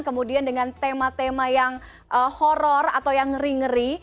kemudian dengan tema tema yang horror atau yang ngeri ngeri